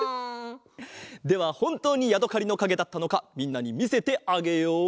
ではほんとうにやどかりのかげだったのかみんなにみせてあげよう！